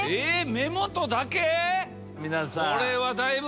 目元だけ？